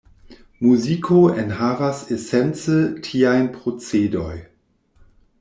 Muziko enhavas esence tiajn procedoj.